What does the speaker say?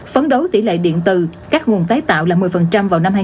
phấn đấu tỷ lệ điện từ các nguồn tái tạo là một mươi vào năm hai nghìn hai mươi